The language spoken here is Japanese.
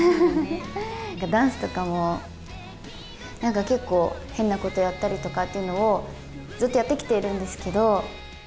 ダンスとかも、なんか結構、変なことやったりとかっていうのを、ずっとやってきているんですけど。